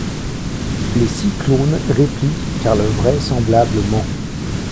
G. Les six clones répliquent car le vrai semblable ment.